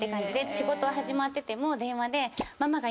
仕事始まってても電話で。